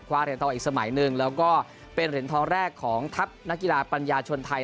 เหรียญทองอีกสมัยหนึ่งแล้วก็เป็นเหรียญทองแรกของทัพนักกีฬาปัญญาชนไทย